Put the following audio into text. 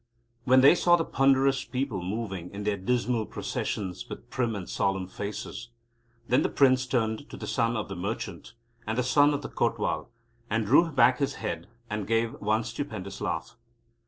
When they saw the ponderous people moving in their dismal processions with prim and solemn faces, then the Prince turned to the Son of the Merchant and the Son of the Kotwal, and threw back his head, and gave one stupendous laugh.